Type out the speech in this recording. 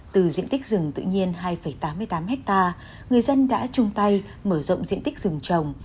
từ diện tích rừng tự nhiên hai tám mươi tám ha người dân đã chung tay mở rộng diện tích rừng trồng